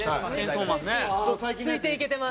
ついていけてます。